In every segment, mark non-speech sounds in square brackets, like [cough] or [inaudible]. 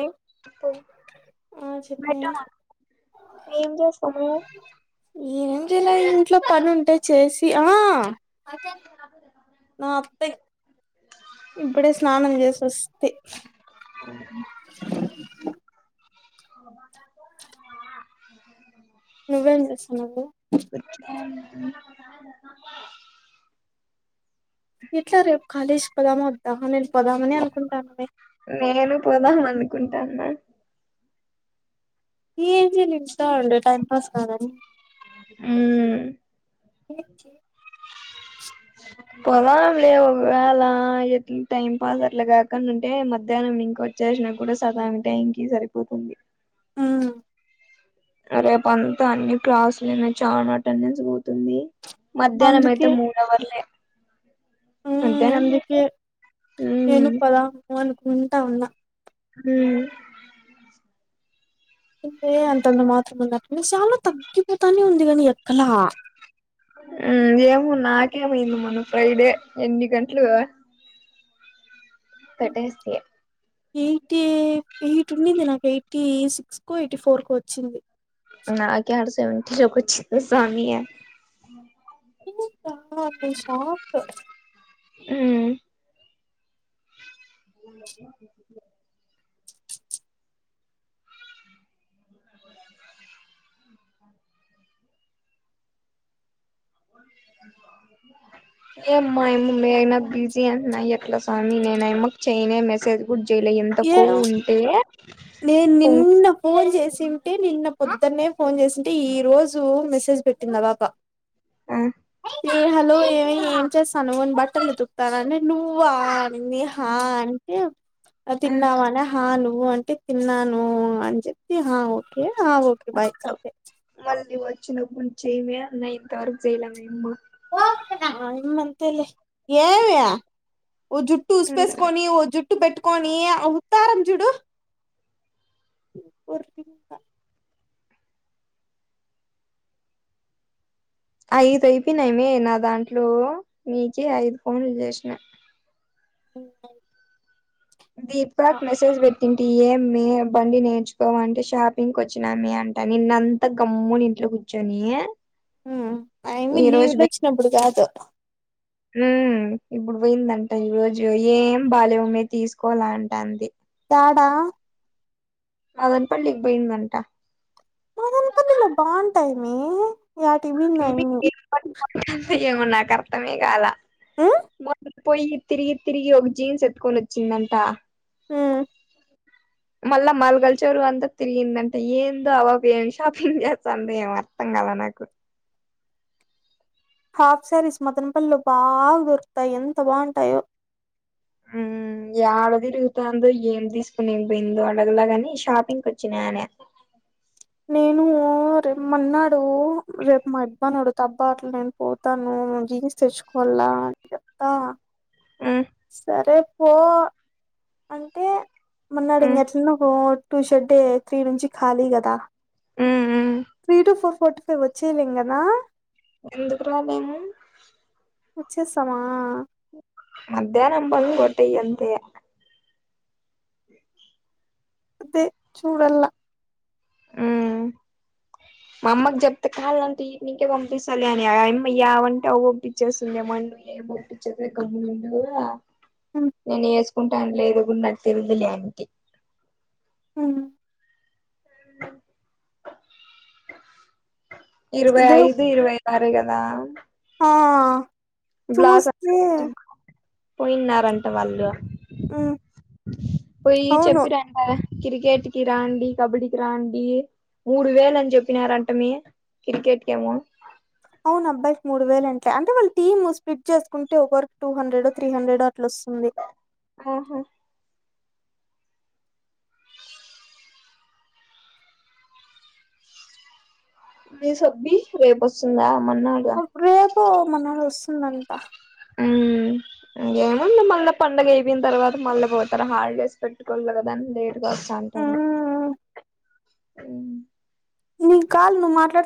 ఆ బయట చెప్పినవే ఏం జె సమయం ఇలా ఇంట్లో పని ఉంటే చేసి ఆ నథింగ్ ఇప్పుడే స్నానం చేసి వస్తే కో నువ్వేం చేస్తున్నావే ఇట్లా రేపు కాలేజ్ పోదామ వద్దా అ నేను పోదామనే అనుకుంటానే నేను పోదాం అనుకుంటాన్నా ఈ జీ నిమిస్ట ఉండే టైం పాస్ తరని ఉ ఏమ్ చె పొలంలేవు ఒకవేళ ఎ టైం పాస్ అట్లా కాకుండా ఉంటే మధ్యాహ్నం ఇంకొచ్చేసినా కూడా సదాఆమ్ టైంకి సరిపోతుంది ఆ రేపు అంతా అన్ని క్లాసులునే చానా అటెండెన్స్ పోతుంది మధ్యాహ్నం అయితే మూడువర్లే ఉ అందుకే ఉమ్ ఏను పదా మన్ ఉంటా ఉన్నా ఉ ఇంతే అంత అంత మాత్ర ముంద విశాలలో తగ్గి తిడతానే ఉంది గాని ఎక్కలా ఉమ్ ఏమో ఫ్రైడే ఎన్ని గంటలు కట్టేస్తయ ఎయిటీ ఎయిట్ ఉండింది నాకు ఎయిటీ సిక్స్ కో ఎయిటీ ఫోర్ కో వచ్చింది నాక్యాడ సెవెంటీ దాక వచ్చిందా సామి నాకే షాక్ మ్మ్ అ ఏమ్మా మీ ఆయన బిజీ అంటనా ఎట్ల సామి నేను అయమ్మకి చేయలే మెసేజ్ కుడ్ ఏ నేను నిన్న ఫోన్ చేసి ంటే నిన్న పొద్దన్నే ఫోన్ చేసింటే ఈ రోజు మెసేజ్ పెట్టింది ఆ పాప ఆ హలో ఏమే ఏం చేస్తున్నావు బట్టలులుతున్న అని నువ్వు అనింది హ అంటే ఆ తిన్నావనే హాను నువ్ అంటే తిన్నాను అని చెప్పి హా ఓకే ఆ ఓకే బాయ్ [unintelligible] చిన్నప్పునుంచి ఏమే [unintelligible] చేయలే మేము ఇమ్మంతేలే ఓ జుట్టు ఉసుపేస్కోని ఓ జుట్టు బెట్ కొనీ ఉత్తారం చూడు ఐదు అయిపోయినాయి మే నా దాంట్లో నీకే ఐదు ఫోన్లు చేసినా మ్మ్ హ్మ్ దీపక్ మెసేజ్ బెట్ టి ఏమే బండి నేర్చుకోవా అంటే షాపింగ్కి వచ్చినామే అంట నిన్నంత గమ్మున ఇంట్లో కూర్చొని ఆయ్మ్మి ఈ లీవ్లు వచ్చినప్పుడు కాదు మ్మ్ ఇప్పుడు పోయిందంట ఈ రోజు ఏం బాల్యమే తీసుకోలే అంటంది ఆ పా అదని పలికిపోయిందంట మా తిరుపతి లో బాంటది మే యాటికి పోయిందో ఆయమ్మి ఏమో నాకు అర్థమే కాలా ఉమ్ మన పోయి తిరిగి తిరిగి ఒక జీన్స్ ఎత్తుకొని వచ్చిందంట మ్మ్ మళ్ళా మంగళ్ చెరువు అంతా తిరిగిందంట ఏందో అపాప ఏమి షాపింగ్ చేస్తందో ఏమో అర్థం కాలే నాకు హాఫ్ శారీస్ మదనపల్లి లో బాగా దొరుకుతాయి ఎంత బాగుంటాయో యాడ తిరుగుతాందో ఏం తీసుకునేకుపోయిందో అడగలా గాని షాపింగ్ వచ్చినా అనా నేను మన్నా రేపు మాయబ్బ ని అడుగుతా అబ్బ నేను పోతాను జీన్స్ తెచ్చుకోల్ల చెప్తా మ్మ్ సరే పో అంటే మొన్నాడు ఇం మ్మ్ ఎట్లాన్నా టూ ష్ డే త్రీ నుంచి ఖాళీ కదా మ్మ్ మ్మ్ three to four fort five వచ్చేలేం కదా ఎందుకు రాలేము ఉచ్చేస్సమా మధ్యాహ్నం బంద్ కొట్టయి అంతే అదే చూడల్ల ఉ మా అమ్మకి చెప్తే కాళ్ళంటే ఇంటికే పంపిస్తాలే అని ఆయ్మ యావంటే అ పంపించేస్తుంది ఏ మోద్దులే ఏ పంపించద్దు గమ్మున నేను ఏస్కో కుంటాం లేదు కూడాన్న తేల్దు లే అంటి అ ఇరవై దు ఐదు ఇరవై సరే కదా ఆ బ్లాస్ చూస్తే పోయిన్నారంట వాళ్ళు మ్మ్ పోయి అవును చెప్పి రండ క్రికెట్ కి రాండి కబడ్డీకిి రాండి మూడు వేలు అని చెప్పినార అంటమే క్రికెట్ కెమో అవున్ అబ్బయికి మూడు వేల అంటయి అంటే వాళ్ళ టీమ్ స్ప్లిట్ చేసుకుంటే ఒకవరకు టూ హండ్రెడొ త్రీ హండ్రెడో అట్లా అట్లస్తుంది ఆహా మీ సొబ్బి రేపోస్తుందా రేపో మన్నాడో వస్తా వస్తుందంట ఇం ఏముంది మళ్ళీ పండుగ అయిపోయిన తర్వాత మళ్ళీ పోతారు హాలిడేస్ పెట్టుకోలేదు కదా లే గాస్తా అంటారు మ్మ్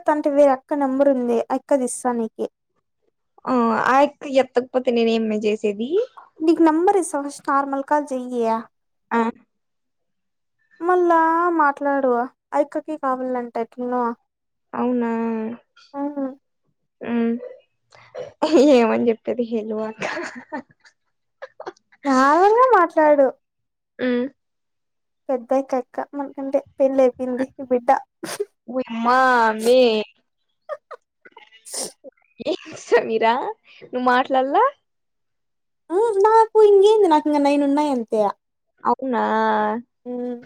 తంట వేరెక్క నెంబరు ఉంది అయక్కది ఇస్తా నీకి ఆ ఆయక్క ఎత్తకపోతే నేను ఏం మే చేసేది నీకు నెంబర్ ఇస్తా ఫస్ట్ నార్మల్ కాల్ జయ్యి ఆ మళ్ళా మాట్లాడువా ఆయక్కకి కావాలంటే ఎట్ననో అవునా ఉ ఏమని చెప్పేది హేలుక్క మాములుగా మాట్లాడు ఉమ్ పెద్దయిక్క మనకంటే పెళ్లయిపోయింది ఇప్పుడు బిడ్ట ఓయమ్మా మే ఏం సమీరా నువ్వు మాట్లాడల్లాల నాకు ఇంగేంది నాకు ఇ నైనున్నా యి అంతే అవునా మ్మ్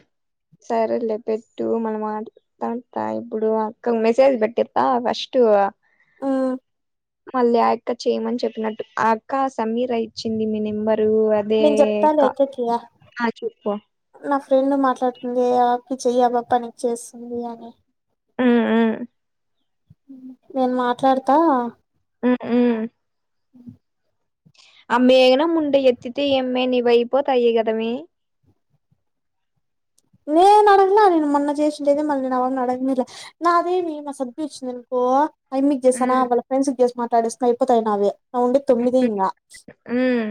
సరేలే పెట్టు మనం మా [unintelligible] ఇప్పుడు అక్క మెసేజ్ పెట్ జెప్తా ఫస్టు హ్మ్. మళ్ళీ ఆ యక్క చేయమని చెప్పినట్టు ఆ అక్క సమీరా ఇచ్చింది మీ నెంబర్ డు అదే నేను జెప్తాలే క అక్కకి. నా ఫ్రెండ్ మాట్లాడుతుంది ఆకి చెయ్యి ఆ పాప నీకి చేస్తుంది అని మ్మ్ హ్మ్ నేను మాట్లాడుతా ఊ ఆ మేఘన ముండ ఎత్తితే ఏమ్మే నీవ్వయిపోతాయి కదా మే నేను అడగలే నేను మొన్న చేసిండేదే మళ్ళీ నేన్ ఆవాపని అడగనెలే నాదేమి మా సద్చ్చింది అనుకో ఆమ్మికి జేస్సనా ఉమ్ వాళ్ళ ఫ్రెండ్స్ కి జేసీ మాట్ తడిస్నే అయిపోతాయి నావి ఆ వుండే తొమ్మిదే ఉమ్ ఇంగ ఉమ్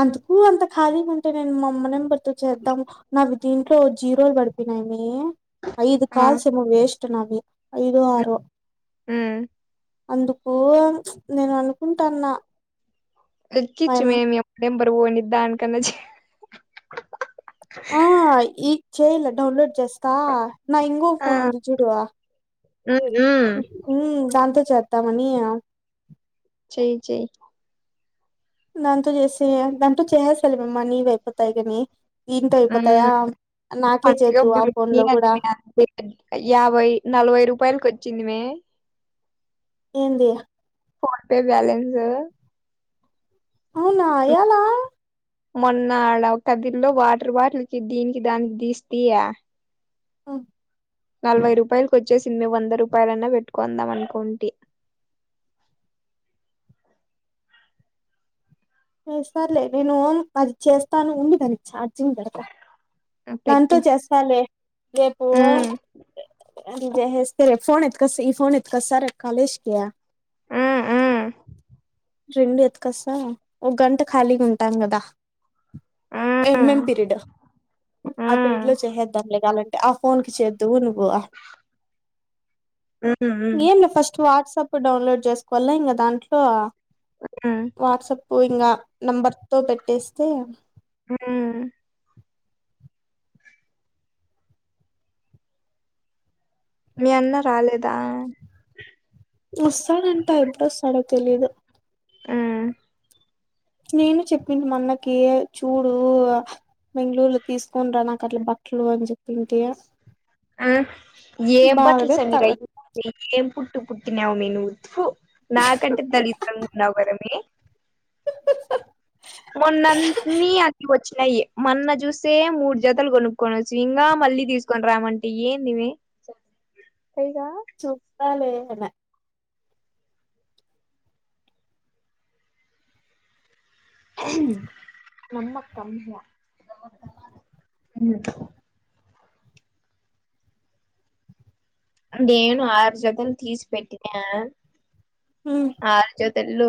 అంతకు అంత ఖాళీగా ఉంటే నేన్ మామ్మ నెంబర్ తో చేద్దాం నాకు దీన్ ట్లో జీరోల్ పడిపేయినాయ్ మే ఐదు ఆ కాల్స్ ఏమో వేష్ తొ నావి ఐదొ ఆరో మ్మ్ అందుకు ప్చ్ నేను అనుకుంటన్న గజ్జిచ్చు మేమియం నెంబర్ పోనీ దాని కన్నా చే ఆ ఇ చేయలే డౌన్లోడ్ చేస్తా నా ఇంగో ఫోన్ ఉంది చూడువా మ్మ్ హ్మ్ దాంతో చేద్దామని చేయ్ చెయ్ దాంతో జేస్సే దాంతో చేసేస్సలే మమ్మ నీవి అయిపోతయ్ గాని మ్మ్ చేద్దు ఆ పండుగప్పుడు ఫోన్ లో కూడా [unintelligible] యాభై నలభై రూపాయలకి వచ్చి ఏందిమే ఏంది ఫోన్ ఫే బ్యాలెన్సు అవునా యాలా మొన్న ఆడ కదిరి లో వాటర్ బాటిల్కి దీనికి దానికి దీస్తియా ఉ నలవై రూపాయలుకు వచ్చేసింది వంద రూపాయలన్నా పెట్టుకుందాం అనుకుంటి. లే సార్లే నేను అది చేస్తాను ఉంది అది చార్జంగ్ పెడతా దాంతో పెట్టు చేస్తాలే రేపు మ్మ్ అట్ల చేసేస్తే రేపు ఫోన్ ఎత్తుకొస్తా ఈ ఫోన్ ఎత్తుకొస్తా రేపు కాలేజ్కి ఊ ఊ రెండు ఎత్తుకొస్తా ఒక గంట ఖాళీగా ఉంటాం కదా ఎంఎం మ్మ్ పీరిడ్ ఆ మ్మ్ పీరిడ్ లో చేసేద్దాం లేగలంటే ఆ ఫోన్ కి చేద్ద ధువునుభవా మ్మ్ మ్మ్ ఎంలే ఫస్ట్ వట్స్ కప్పు డౌన్లోడ్ చేసుకోవల్ల ఇంగ దాంట్లో మ్మ్ వాట్సప్ ఓ ఇంగా నెంబర్ తో పెట్టేస్తే హ్మ్ మీ అన్న రాలేదా వస్తాడంటా ఎప్పుడోస్తాడో తెలీదు ఊ నేను చెప్పింది మన్నకి చూడు బెంగళూరులో తీసుకని రా నాకు అట్లా బట్టలు అని చెప్పింటి ఆ ఏం బాగా బట్టలు సమీర తెత్తాడు ఏం పు పుట్టు పుట్టినవు మె నువ్ థు నాకంటే దరిద్రంగా వున్నవ్గదమే మొన్నన్ని అది వచ్చినాయి మొన్న చూస్తే మూడు జతలు కొనుక్కకోనచ్చి ఇంగా మళ్ళీ తీసుకొని రామంటే ఏందిమే చూప్పాలే అనా నమ్ కమ్య నేను ఆరు జతలు తీసి పెట్టినా ఆ జ తెలు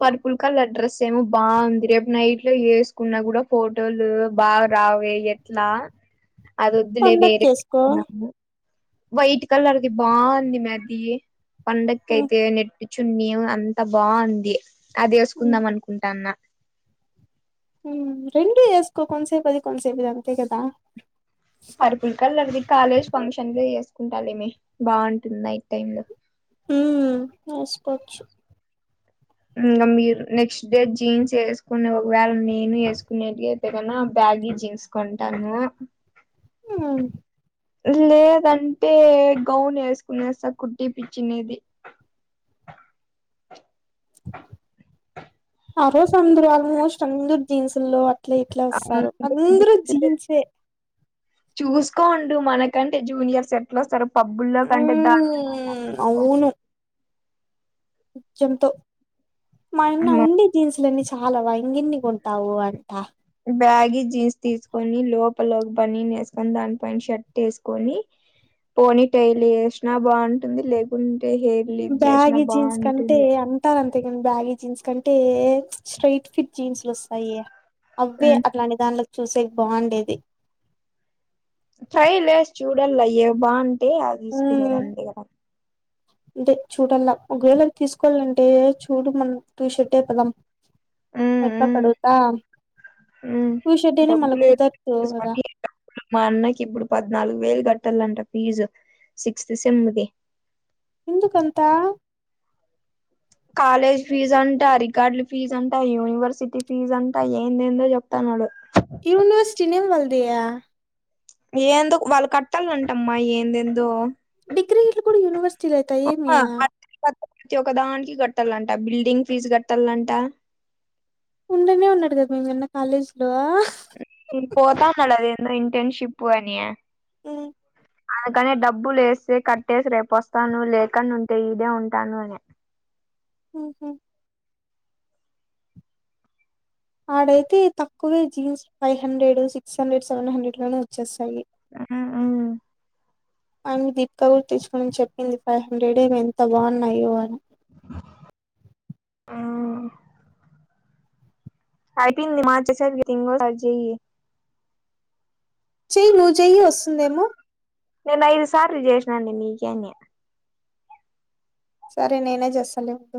పర్పుల్ కలర్ డ్రెస్ ఏమో బాగుంది రేపు నైట్ లో వేసుకున్నా కూడా ఫోటోలు బాగా రావే ఎట్లా అది వద్దులే వేరే [inaudible] పండక్కేసుకో కుందాము వైట్ కలర్ది బాంది మే అది పండక్కి అయితే నెట్ చున్నీ అంత బాగుంది అది వేసుకుందాం అనుకుంటాన్న ఊ రెండు వేసుకో కొంతసేపు అది కొంత సేపు ఇది అంతే కదా పర్పుల్ కలర్ది కాలేజ్ ఫంక్షన్ లో వేసుకుంటాలేమే బాగుంటుంది నైట్ టైం లో హ వసుకోచ్చు ఇంకా మీరు నెక్స్ట్ డే జీన్స్ వేసుకొని, ఒకవేళ నేను వేసుకునేట్యితే కన బ్యాగ్ జీన్స్ కొంటాను. ఆ లేదంటే గౌన్ వేసుకునే సా కుటీ పిచ్చినది. ఆ రోజ అందరు ఆల్మోస్ట్ అందరు జీన్సు లో ఇట్లా ఇట్లా వస్తారు అందరు జీన్సే చూసుకోండు మనకంటే జూనియర్ స ఎట్లుస్తారు. పబ్బుల్లో కంటే ద ఉమ్, చెంతో మా అన్న ఉండి జీన్స్లని చాలావ ఇంకెన్ని కొంటావు అంట బ్యాగీ జీన్స్ తీసుకొని లోప బనిన్ వేసుకొని, దాని పైన షర్ట్ వేసుకొని, పోనీ టైల్ వేసినా బాగుంటుంది. లెగు బ్యాగి జీన్స్ కంటే అంటార అంతేగానీ బ్యాగి జీన్స్ కంటే స్టైట్ ఫిట్ జీన్స్లు వస్తాయి. అవే మ్మ్ అట్లాంటి దానిట్లో కి చూసేక బాగుండేది. ట్రైలేసి చూడల్ల ఏవ్ బాన్ అంటే అ తీసుకునేదండి కదా అదే చూడల్లా ఒకవేళ తీసుకోవాలంటే చూడు, మనం టూ షర్టే పదం హు హు టూ షర్ట్ హు అని మళ్ళ డబ్బులు కుదరదు కదా మా అన్నకి ఇప్పుడు పద్నాలుగు వేలు కట్ కట్టాలాంట ఫీజు సిక్సత్ సెంది ఎందుకంతా కాలేజ్ ఫీజ్ అంట, రికార్డుల ఫీజ్ అంట, యూనివర్సిటీ ఫీజ్ అంటా, ఏందేందో చెప్తాన్నాడు. University name వాలది. ఏందో వాళ్ళు కట్టాలంటమ్మా ఏందేందో. డిగ్రీ ఇలు కూడా యూనివర్సిటీలు అయితా ఏమి. ఆ, ప్రతి ఒదానికి కట్టాలంట, బిల్డింగ్ ఫీజు కట్టాలంట. ఉండనే ఉన్నాడు కదా మే మీ అన్న కాలేజీ లో పోతా ఉన్నల్ల అదేందో ఇంటెన్షిప్పుని అందుకనే డబ్బు లేస్తే కట్టేసి రేపు వస్తాను. లేకండా ఉంటే ఇడే ఉంటాను. అని హు హు ఆడైతే తక్కువే jeans five hundred six, hundred seven, hundred లోనే వచ్చేస్తాయి. ఆ ఆ ఆ దీపిక గుడా తీసుకునిని చెప్పింది. ఫైవ్ హండ్రెడ్ ఎంత బాగున్నాయో అని అవున్ అయిపింది మాచ స తంగ ఎంగోసారి చెయ్యి చెయ్యి, నువ్వు చెెయ్యి, వస్తుందేమో నేను ఐదు సార్లు చేసినాండి నీకేని. సరే నేనే చేస్తాను ఉండు.